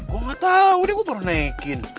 gue gak tau nih gue baru naikin